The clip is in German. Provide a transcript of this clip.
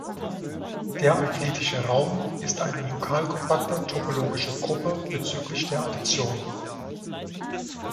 Der euklidische Raum ist eine lokalkompakte topologische Gruppe bezüglich der Addition.